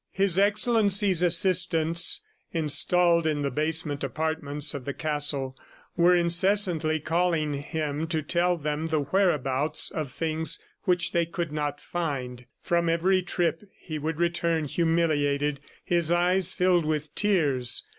His Excellency's assistants, installed in the basement apartments of the castle were incessantly calling him to tell them the whereabouts of things which they could not find. From every trip, he would return humiliated, his eyes filled with tears.